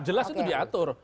jelas itu diatur